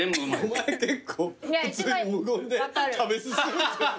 お前結構普通に無言で食べ進めてる。